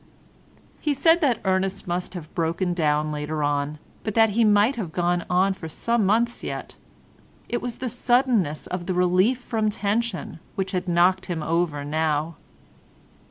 He said that Ernest must have broken down later on, but that he might have gone on for some months yet. It was the suddenness of the relief from tension which had knocked him over now.